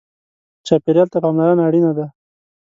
چاپېریال ته پاملرنه اړینه ده.